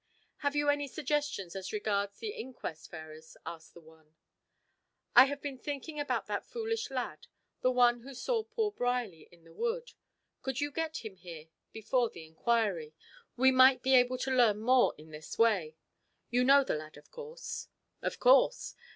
"Have you any suggestions as regards the inquest, Ferrars?" asked the one. "I have been thinking about that foolish lad, the one who saw poor Brierly in the wood. Could you get him here before the inquiry? We might be able to learn more in this way. You know the lad, of course?" "Of course.